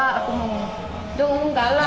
aku gak tahu aku gak galak